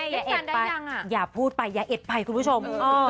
อย่าเอ็ดไปอย่าพูดไปอย่าเอ็ดไปคุณผู้ชม